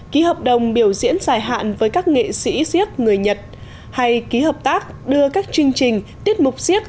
ký hợp đồng biểu diễn dài hạn với các nghệ sĩ siếc người nhật hay ký hợp tác đưa các chương trình tiết mục siếc